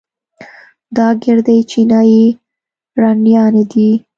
دا ګردې چينايي رنډيانې دي.